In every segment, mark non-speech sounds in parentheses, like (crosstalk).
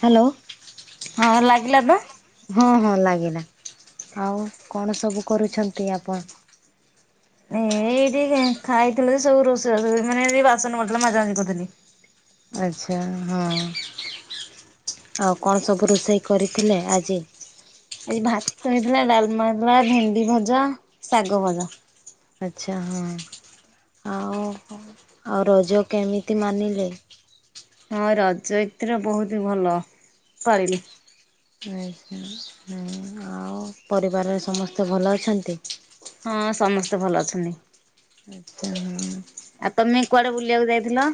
Hello. ହଁ ଲାଗିଲା ପା। ହଁ, ହଁ ଲାଗିଲା, ଆଉ କଣ ସବୁ କରୁଛନ୍ତି ଆପଣ? ଏଇଠିକି ଖାଇଥିଲ ସବୁ ରୋଷେଇ (unintelligible) ମାନେ ବାସନ ପଡଥିଲା ମଜାମଜି କରିଥିଲି। ଆଚ୍ଛା, ହଁ। ଆଉ କଣ ସବୁ ରୋଷେଇ କରିଥିଲେ ଆଜି? ଏ ଭାତ ହେଇଥିଲା, ଡାଲମା ହେଇଥିଲା, ଭେଣ୍ଡି ଭଜା, ଶାଗ ଭଜା। ଆଚ୍ଛା ହଁ ଆଉ ଆଉ ରଜ କେମିତି ମାନିଲେ? ହଁ ରଜ ଏଥିରେ ବହୁତ ଭଲ ପଳିଲୁ। ଆଉ ପରିବାରରେ ସମସ୍ତେ ଭଲ ଅଛନ୍ତି? ହଁ ସମସ୍ତେ ଭଲ ଅଛନ୍ତି। ହୁଁ। ଆଉ ତମେ କୁଆଡେ ବୁଲିବାକୁ ଯାଇଥିଲ?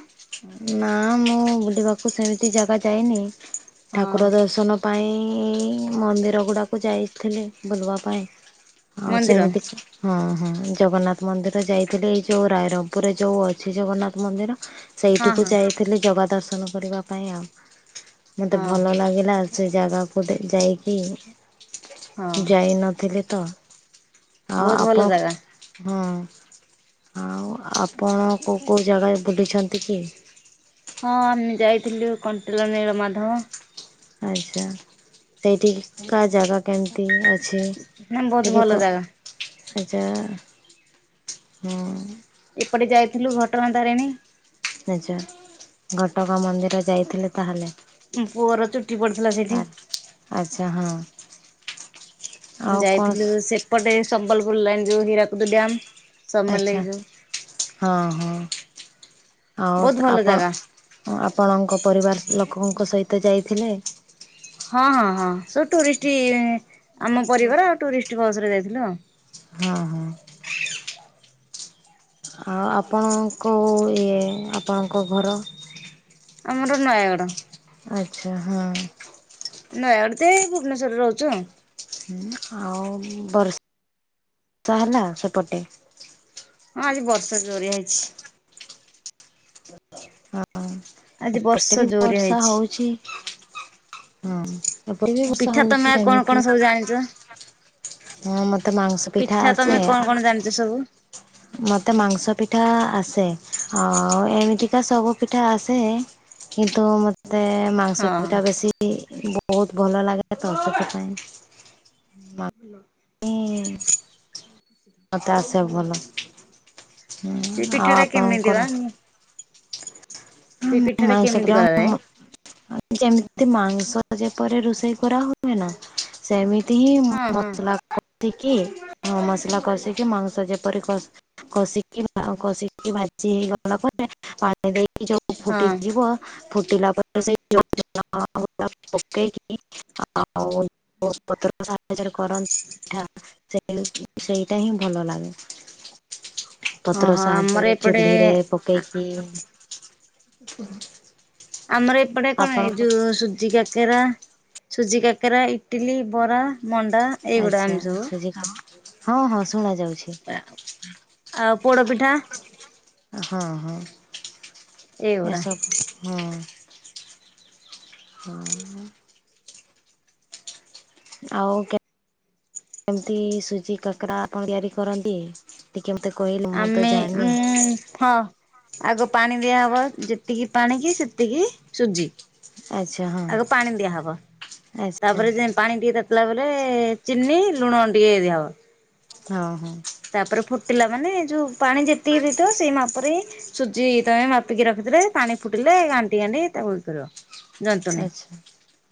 ନା, ମୁଁ (unintelligible) ଜାଗା ଯାଇନି, ଠାକୁର ଦର୍ଶନ ପାଇଁ ମନ୍ଦିର ଗୁଡ଼ାକୁ ଯାଇଥିଲି ବୁଲିବା ପାଇଁ। ଆଉ ମନ୍ଦିର ସେମିତି ହଁ ହଁ ଜଗନ୍ନାଥ ମନ୍ଦିର ଯାଇଥିଲି, ଏଇ ଯୋଉ ରାଇରଙ୍ଗପୁରରେ, ଯୋଉ ଅଛି ଜଗନ୍ନାଥ ମନ୍ଦିର। ହଁ ସେଇଠିକୁ ହଁ। ଯାଇଥିଲି ଜଗା ଦର୍ଶନ କରିବା ପାଇଁ ଆଉ, ମୋତେ ହଁ ଭଲ ଲାଗିଲା। ସେ ଜାଗାକୁ ଯାଇକି ହଁ ଯାଇନଥିଲି ତ। ଆଉ ବହୁତ ଭଲ ଆପଣ ଜାଗା ହଁ ଆଉ ଆପଣ କେଉଁ କେଉଁ ଜାଗାରେ ବୁଲିଛନ୍ତି କି? ହଁ ଆମେ ଯାଇଥିଲୁ, କଣ୍ଟେଲ ନୀଳମାଧବ। ଆଚ୍ଛା ସେଇଠିକା ଜାଗା କେମିତି? ଅଛି ନା ବହୁତ ଟିକେ ଭଲ କ ଜାଗା (unintelligible) ହଁ ଏପଟେ ଯାଇଥିଲୁ ଘଟଣା ତାରିଣୀ। (unintelligible) ଘଟଗାଁ ମନ୍ଦିର ଯାଇଥିଲେ ତାହେଲେ। ମୋ ପୁଅର ଚୁଟି ପଡିଥିଲା ସେଇଠି। ଆଚ୍ଛା ହଁ। ଆଉ କଣ ଯାଇଥିଲୁ ସେପଟେ, ସମ୍ବଲପୁର ଲାଇଣି ଯୋଉ ହୀରାକୁଦୁ ଡ୍ୟମ୍। ଆଚ୍ଛା ହଁ ହଁ ହୋଉ ବହୁତ ତ ଭଲ ଆପଣ ଜାଗା ହ ଆପଣଙ୍କ ପରିବାର ଲୋକଙ୍କ ସହିତ ଯାଇଥିଲେ? ହଁ, ହଁ ହଁ ସ ଟୁରିଷ୍ଟ ଆମ ପରିବାର ଆଉ ଟୁରିଷ୍ଟ ବସ ରେ ଯାଇଥିଲୁ ଆଉ। ହଁ। ଆଉ ଆପଣଙ୍କୁ, ଇଏ ଆପଣଙ୍କ ଘର ଆମର ନୟାଗଡ଼। ଆଚ୍ଛା ହଁ। ନୟାଗଡ ଯେ ଭୁବନେଶ୍ୱରରେ ରହୁଚୁ ଆଉ। ହୁଁ ଆଉ ବର୍ଷା ବର୍ଷା ହେଲା ସେପଟେ ହଁ ଆଜି ବର୍ଷା ଜରିଆ ହେଇଛି। ହଁ ଆଜି ଏପଟେ ବର୍ଷା ବି ଜୋରିଆ ବର୍ଷା ହେଇଛି ହୋଉଛି। ହଁ ଏପଟେ ବି ବର୍ଷା ପିଠା ତମେ ହଉଛି ଆଉ କଣ କଣ ସେମିତି। ସବୁ ଜାଣିଛ ହଁ ମତେ ମାଂସ ପିଠା ଆସେ। କଣ କଣ ଜାଣିଛ ସବୁ? ମତେ ମାଂସ ପିଠା ଆସେ। ଆଉ ଏମିତିକା ସବୁ ପିଠା ଆସେ କିନ୍ତୁ ମତେ ମାଂସ ହଁ ପିଟା ବେଶୀ ବହୁତ ଭଲ ଲାଗେ ସେଠି ପାଇଁ (unintelligible) ତା ସେ ଭଲ। ହୁଁ ସେ ପିଠା ଆଉ ଟା କେମିତି ବା ଆପଣଙ୍କର ସେ ପିଠା ହଁ ଟା ମାଂଶ କେମିତି କରାଯାଏ ପିଠା ଯେମିତି ମାଂସ ଯେପରି ରୋଷେଇ କରା ହୁଏ ନା। ସେମିତି ହିଁ ହଁ ହଁ ମସଲା କଷିକି ମସଲା କଷିକି ମାଂସ ଯେପରି କ। କଷିକି କଷିକି ଭାଜି ହେଇଗଲା ପରେ ପାଣି ଦେଇକି ଯୋଉ ହଁ ଫୁଟିଯିବ। ଫୁଟିଲା କିପରେ। ଆଉ ପତ୍ର ସ (inaudible) (inaudible) ସେଇ ସେଇଟା ହିଁ ଭଲ ଲାଗେ। ପତ୍ର ଓହୋ ସାହାଯ୍ୟରେ ଆମର ଏପଟେ ଚୁଲିରେ (unintelligible) (unintelligible) ଆମର ଏପଟେ କଣ ଏଇ ଆପଣଙ୍କୁ ଯୋଉ ସୁଜିିକା କକେରା ସୁଜି କାକେରା, ଇଟିଲି, ବରା, ମଣ୍ଡା ଏଇଗୁଡା ଆଚ୍ଛା ଆମେ ସବୁ। ସୁଜି କାମ ହଁ ହଁ ଶୁଣା ଯାଉଛି। ଆଉ ପୋଡପିଠା। ହଁ ଏଇଗୁଡା ହଁ ଏସବୁ। ହଁ ହଁ। ଆଉ କେମିତି ସୁଜି କାକରା ଆପଣ ତିଆରି କରନ୍ତି? ଟିକିଏ ମୋତେ କହିଲେ? ମୁଁ ତ ଆମେ ଜାଣିନି ଉଁ ହଁ। ଆଗ ପାଣି ଦିଆହବ ଯେତିକି ପାଣ କି ସେତିକି ସୁଜି। ଆଚ୍ଛା ହଁ ଆଗ ପାଣି ଦିଆହବ ଆଚ୍ଛା ତାପରେ ଯେ ପାଣି ଦି ତା ତାଲା ପରେ ଚିନି ଲୁଣ ଟିକେ ଦିଆହବ। ହଁ ହଁ। ତାପରେ ଫୁଟିଲା ମାନେ ଯଉ ପାଣି ଯେତିକି ରଥିବ ସେଇ ମାପରେ ହିଁ। ସୁଜି ତମେ ମାପିକି ରଖିଥିଲେ ପାଣି ଫୁଟିଲେ ଆଣ୍ଟି କାଣ୍ଟି ତାକୁ ବ କରିବ। ଜନ୍ତୁଣି ଆଛା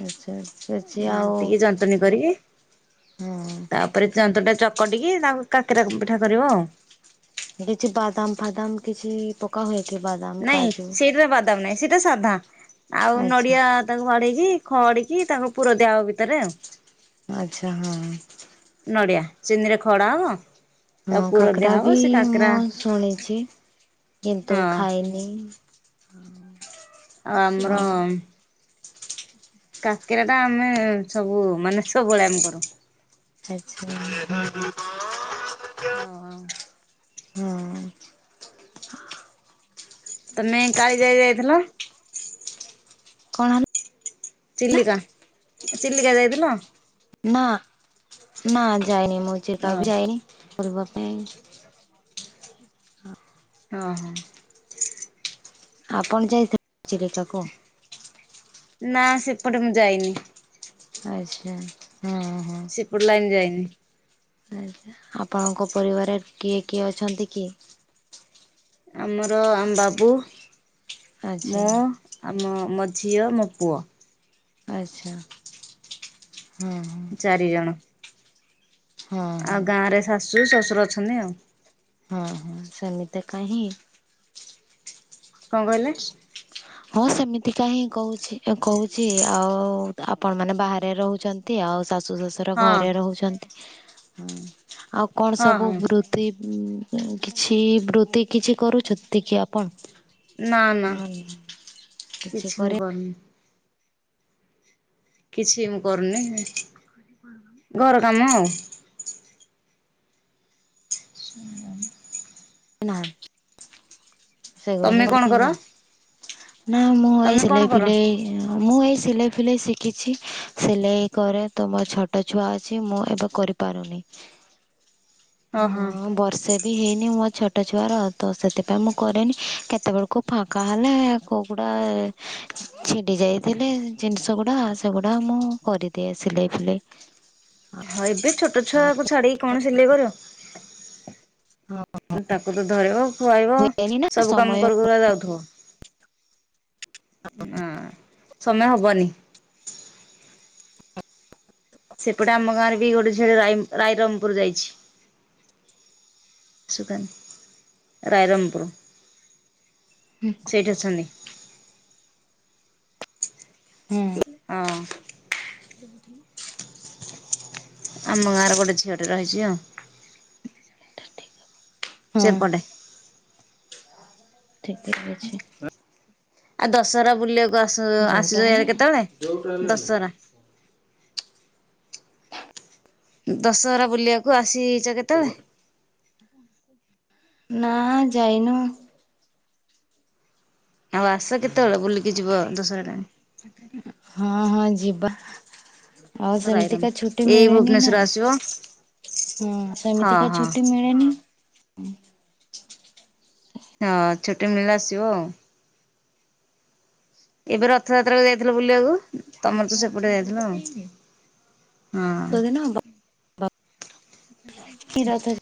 ଆଚଛା ସେଛି ଆଉ। ଘାଣ୍ଟିକି ଜନ୍ତୁଣୀ ହଁ। ଯନ୍ତୁ ଟା ଚକଟିକି ତାଙ୍କୁ କାକିରା ପିଠା କରିବ ଆଉ। କିଛି ବଦାମ ଫଦାମ କିଛି ପୋକା ହୁଏକି ବଦାମ, କାଜୁ। ସେଟା ବାଦାମ ନହିଁ ସେଇଟା ସାଧା। ଆଉ ଆଚ୍ଛା। ନଡିଆ ତାକୁ ସଧେଇକି ଡେଇକି ଖଆଡିକି ତାକୁ ପୁର ଦିଆ ହ ଭିତରେ ଆଉ। ଆଚ୍ଛା ହଁ। ନଡିଆ ଚିନି ରେ ଖଡା ହବ। ହଁ ତାକୁ ପୁର କାକରା ଦିଆହବ ବି ସେ ମୁଁ କାକେରା ଶୁଣିଛି ହଁ କିନ୍ତୁ ଆଉ ଖାଇନି। ସେ। ଆଉ ଆମର। କାକିରା ଟା ଆମେ ସବୁ ମାନେ ସବୁବେଳେ ଆମେ କରୁ। ଆଛା ହଁ ହୁଁ। (unintelligible) ତମେଁ କାଳି ଯାଇ ଯାଇଥିଲ। କଣ? ଚିଲିକା ଚିଲିକା ଯାଇଥିଲ? ନା ନା ଯାଇନି ମୁଁ ହଁ କାହା ବି ଯାଇନି ବୁଲିବା ପାଇଁ। ହଁ। ଆପଣ ଯାଇଥିଲେ ଚିଲିକାକୁ? ନା ସେପଟେ ମୁଁ ଯାଇନି। ଆଚ୍ଛା ହଁ ହଁ। ସେପଟ ଲାଇନି ଯାଇନି। ଆପଣଙ୍କ ପରିବାରରେ କିଏ କିଏ ଅଛନ୍ତି କି? ଆମର ଆମ ବାବୁ ଆଚ୍ଛା ମୁଁ ଆମ ମୋ ଝିଅ ମୋ ପୁଅ। ଆଚ୍ଛା ହୁଁ। ଚାରି ଜଣ। ହଁ ହଁ ଆଉ ଗାଁରେ ଶାଶୁ ଶ୍ୱଶୁର ଅଛନ୍ତି ଆଉ ହଁ ହଁ ସେମିତି କାହିଁ କଣ କହିଲେ? ହଁ ସେମିତିକାହିଁ କହୁଛି କହୁଛି ଆଉ ଆପଣ ମାନେ ବାହାରେ ରହୁଛନ୍ତି। ଆଉ ଶାଶୁ ଶ୍ୱଶୁର ହଁ ଘରେ ରହୁଛନ୍ତି ହଁ ଆଉ କଣ ହଁ ହଁ ସବୁ କିଛି ବୃତ୍ତି କିଛି କରୁଛନ୍ତି କି ଆପଣ? ନା ନା କିଛି ମୁଁ କରିନି। କିଛି ମୁଁ କରୁନି ଘର କାମ ଆଉ ହ (unintelligible) ନା ସେଗୁଡା ହିଁ ତମେ କଣ କରିଥିଲି କର? ନା? ନା ମୁଁ ଏଇ ତମେ କଣ ସିଲେଇ କର? ଫିଲେଇ ମୁଁ ଏଇ ସିଲେଇ ଫିଲେଇ ଶିଖିଛି ସିଲେଇ କରେ ତ ମୋର ଛୋଟ ଛୁଆ ଅଛି ମୁଁ ଏବେ କରି ପାରୁନି। ହଁ ହଁ ମୁଁ ବର୍ଷେ ବି ହେଇନି ମୋ ଛୋଟ ଛୁଆର ତ ସେଥିପାଇଁ ମୁଁ କରେନି କେତେବେଳକୁ ଫାଙ୍କା ହେଲେ କୋଉଗୁଡା ଛିଡି ଯାଇଥିଲେ ଜିନିଷ ଗୁଡା ସେଗୁଡା ମୁଁ କରିି ଦେ ସିଲେଇ ଫିଲେଇ। ହଁ ଏବେ ଛୋଟ ଛୁଆ କୁ ଛାଡିକି କଣ ସିଲେଇ କରିବ? ହଁ ତାକୁ ତ ଧଇବ ଖୁଆଇବ ହୁଏନି ନା ସବୁ କାମ ସମୟ ହୁଁ କରି ଯାଉଥିବ। ହଁ ସମୟ ହବନି। ସେପଟେ ଆମ ଗାଁରେ ବି ଗୋଟେ ଝିଅ ରାଇରଙ୍ଗପୁର ଯାଇଛି। (unintelligible) ରାଇରଙ୍ଗପୁର। ହୁଁ। ସେଇଠି ଅଛନ୍ତି। ହୁଁ। ହଁ। ହୁଁ (unintelligible) ଆମ ଗାଁର ଗୋଟେ ଝିଅଟେ ରହିଛି ଆଉ ହଁ ସେପଟେ ଠିକ ଅଛି। ଆଉ ଦଶହରା ବୁଲିବାକୁ ଆସ ଯୋଉଟା ଆସିଲ ଏ ହେଲେ କେତେବେଳେ ଯୋଉଟା ହେଲେ ଦଶରା। ନାଇଁ। ଦଶହରା ବୁଲିବାକୁ ଆସିଛ କେତେବେଳେ? ନାଁ ଯାଇନୁ। ଆଉ ଆସ କେତେବେଳେ ବୁଲିକି ଯିବ ଦଶରା ଟାଇମ। ହଁ ହଁ ଯିବା। ଆଉ ତାଙ୍କ ରାଇରଙ୍ଗ। ସେମିତିକା ଛୁଟି ଏଇ ମିଳିନି ନା। ଭୁବନେଶ୍ଵର ଆସିବ ହଁ ହଁ ସେମିତିକା ହଁ ଛୁଟି ମିଳେନି। ହଁ ଛୁଟି ମିଳିଲେ ଆସିବ ଆଉ। ଏବେ ରଥଯାତ୍ରାକୁ ଯାଇଥିଲ ବୁଲିବାକୁ ତମର ତ ସେପଟେ ଯାଇଥିଲ ଆଉ। ହଁ। ଶୀତଦିନ ହବ (inaudible)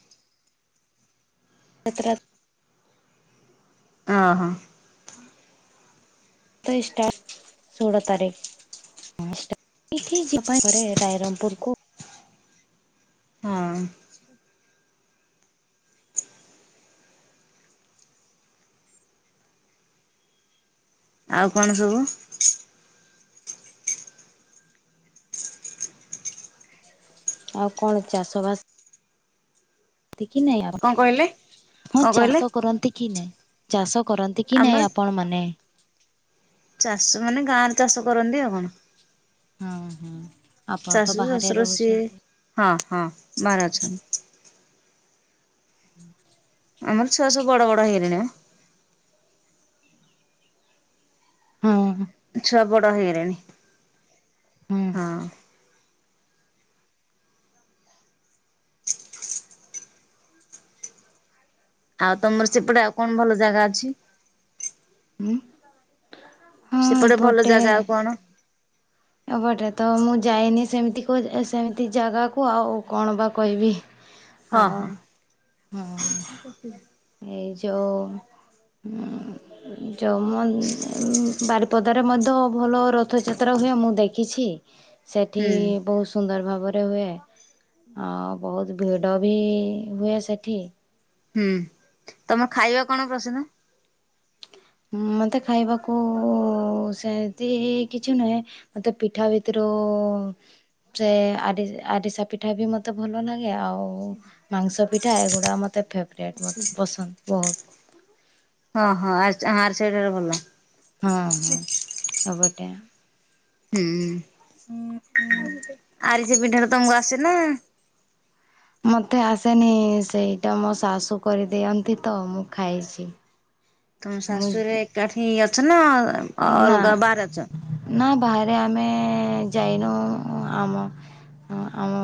ତ୍ର (inaudible) ଅ ହ। ତେଇଷ୍ଟା ଷୋଳ ତାରିକ। ହଁଇଠି ଯିବା ପାଇଁ (inaudible) ପରେ ରାଇରଙ୍ଗପୁର କୁ ହଁ। ଆଉ କଣ ସବୁ? ଆଉ କଣ ଚାଷ ବାସ ଏତିକି ନାହିଁ ଆର। କଣ ହଁ କହିଲେ? ଚାଷ କରନ୍ତି କି ନାଇଁ ଚାଷ କରନ୍ତି କି ଆମର ନାଇଁ ଆପଣ ମାନେ? ଚାଷ ମାନେ ଗାଁରେ ଚାଷ କରନ୍ତି ଆଉ କଣ? ହଁ ହଁ ଆପଣ ତ ଶାଶୁ ବାହାରେ ଶ୍ୱଶୁର ସିଏ ରହୁସନ୍ତି। ହଁ ହଁ ବାହାରେ ଅଛନ୍ତି। ହୁଁ ଆମର ଛୁଆ ସବୁ ବଡ ବଡ ହେଇଗଲେଣି ବା। ହୁଁ। ଛୁଆ ବଡ ହେଇଗଲେଣି। ହୁଁ। ହଁ। ଆଉ ତମର ସେପଟେ ଆଉ କଣ ଭଲ ଜାଗା ଅଛି? ହୁଁ। ସେପଟେ ଭଲ ଜାଗା ଆଉ କଣ? ଏପଟେ ତ ମୁଁ ଯାଇନି ସେମିତି କଉ ସେମିତି ଜାଗାକୁ ଆଉ କଣ ବା କହିବି। ହଁ ଆଉ ହଁ। ହଁ ଏଇ ଯେଉଁ ଯଉ ମ ବାରିପଦାରେ ମଧ୍ୟ ଭଲ ରଥଯାତ୍ରା ହୁଏ ମୁଁ ଦେଖିଛି ସେଠି ହୁଁ ବହୁତ ସୁନ୍ଦର ଭାବରେ ହୁଏ ଆଉ ବହୁତ ଭିଡ଼ ବି ହୁଏ ସେଠି। ହୁଁ ତମ ଖାଇବା କଣ ପ୍ରସନ? ହଁ ମତେ ଖାଇବାକୁ ସେମତି କିଛି ନୁହେଁ ମତେ ପିଠା ଭିତୁରୁ ସେ ଆରି ଆରିସା ପିଠା ବି ମୋତେ ଭଲ ଲାଗେ ଆଉ ମାଂସ ପିଠା ଏଗୁଡା ମତେ ଫେବରୋଇଟ୍ ମତେ ପସନ୍ଦ ବହୁତ। ହଁ ହଁ ଆରିସା ହଁ ଆରିସା ପିଠାଟା ଭଲ। ହଁ ହଁ ଏପଟେ ହୁଁ ଆରିସା ପିଠାଟା ତମକୁ ଆସେ ନା? ମତେ ଆସେନି ସେଇଟା ମୋ ଶାଶୁ କରିଦିଅନ୍ତି ତ ମୁଁ ଖାଇଛି। ତମ ମୁଁ ଶାଶୁରେ ଏକାଠିଇ ଅଛନା ନା ନା ବାହାରେ ଆମେ ଯାଇନୁ ଆମ ହ ଆମ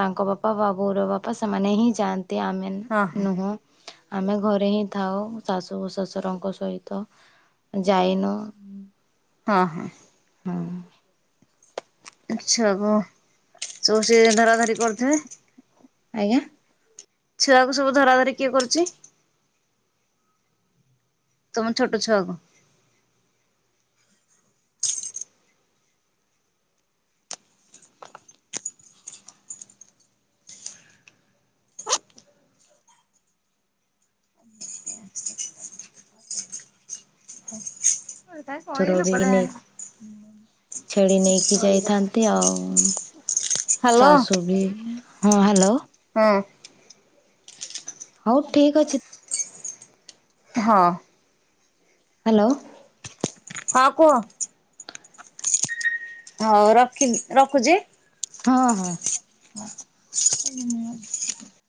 ତାଙ୍କ ବାପା ବାବୁର ବାପା ସେମାନେ ହିଁ ଯାଆନ୍ତି। ଆମେ ହଁ ହଁ ନୁହୁଁ। ଆମେ ଘରେ ହିଁ ଥାଉ ଶାଶୁ ଓ ଶଶୁରଙ୍କ ସହିତ ଯାଇନୁ। ହଁ ହଁ। ହଁ। ଆଛା କ ସ ସିଏ ଧରାଧରି କରିଥିବେ। ଆଜ୍ଞା। ଛୁଆକୁ ସବୁ ଧରା ଧରି କିଏ କରୁଛି? ତମ ଛୋଟ ଛୁଆ କୁ। ହେ ଶ୍ୱଶୁର କହିଲୁ ବି ପଳା। ନେଇ ଛେଳି ନେଇକି ଯାଇଥାନ୍ତି ଆଉ। ହ୍ୟାଲୋ ଶାଶୁ ବି ହଁ ହାଲୋ। ହଁ। ହଉ ଠିକ୍ ଅଛି। ହଁ। ହାଲୋ। ହଁ କୁଅ। ହଉ ରଖିଲି ରଖୁଚି। ହଁ ହଁ। (inaudible)